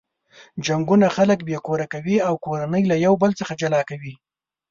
جنګونه خلک بې کوره کوي او کورنۍ له یو بل څخه جلا کوي.